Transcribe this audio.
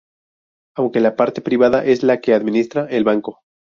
Aunque la parte privada es la que administra el banco.